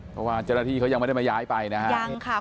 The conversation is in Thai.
เพราะว่าเจรฐีเขายังไม่ได้มาย้ายไปนะฮะยังค่ะ